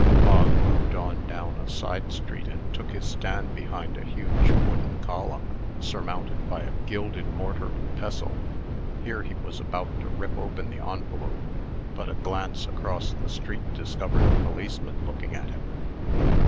Bog moved on down a side street, and took his stand behind a huge wooden column surmounted by a gilded mortar and pestle. Here he was about to rip open the envelope, but a glance across the street discovered a policeman looking at him.